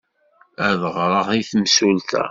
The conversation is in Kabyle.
Ad ɣreɣ i temsulta?